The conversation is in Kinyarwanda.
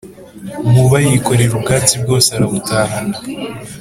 Nkuba yikorera ubwatsi bwose arabutahana